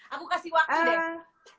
aku kasih waktu deh